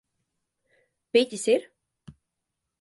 Piķis ir?